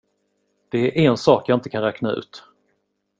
Det är en sak jag inte kan räkna ut.